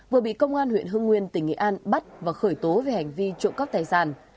vừa bị công an huyện hương nguyên tỉnh nghệ an bắt và khởi tố về hành vi trụng cấp tài sản